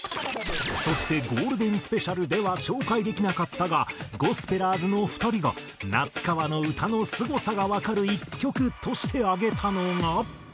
そしてゴールデンスペシャルでは紹介できなかったがゴスペラーズの２人が夏川の歌のすごさがわかる１曲として挙げたのが。